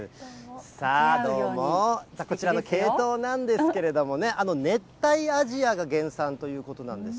さあ、どうも、こちらのケイトウなんですけれどもね、熱帯アジアが原産ということなんです。